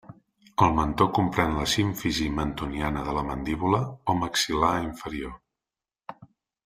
El mentó comprèn la símfisi mentoniana de la mandíbula o maxil·lar inferior.